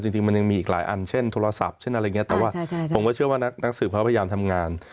จริงมันยังมีอีกหลายอันเช่นโทรศัพท์เช่นอะไรอย่างนี้แต่ว่าผมก็เชื่อว่านักสืบเขาพยายามทำงาน